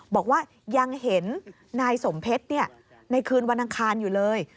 บอกว่ายังเห็นนายสมเพชรในคืนวันอังคารอยู่เลย